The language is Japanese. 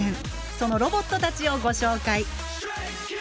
そのロボットたちをご紹介。